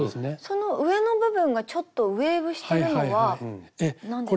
その上の部分がちょっとウエーブしてるのは何でなんですか？